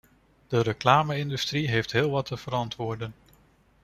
De reclame-industrie heeft heel wat te verantwoorden.